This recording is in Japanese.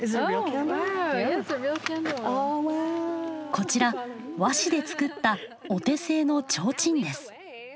こちら和紙で作ったお手製の提灯です。